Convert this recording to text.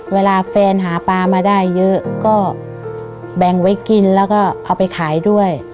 เวลาแฟนหาปลามาได้เยอะก็แบ่งไว้กินแล้วก็เอาไปขายด้วย